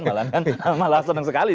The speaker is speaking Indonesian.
malah kan malah senang sekali